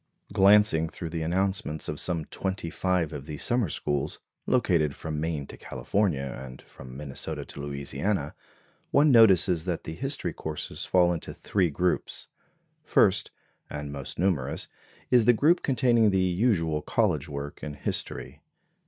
Glancing through the announcements of some twenty five of these summer schools, located from Maine to California and from Minnesota to Louisiana, one notices that the history courses fall into three groups. First, and most numerous is the group containing the usual college work in history.